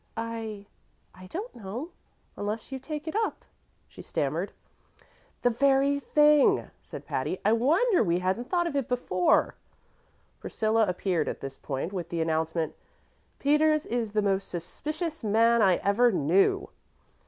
"I I don't know, unless you take it up," she stammered. "The very thing!" said Patty. "I wonder we hadn't thought of it before." Priscilla reappeared at this point with the announcement, "Peters is the most suspicious man I ever knew!"